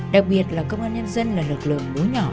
đặc biệt là công an nhân dân là lực lượng mối nhỏ